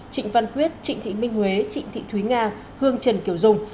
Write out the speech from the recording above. trịnh văn quyết trịnh thị minh huế trịnh thị thúy nga hương trần kiều dung